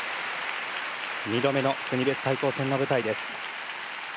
２度目の国別対抗戦の舞台です。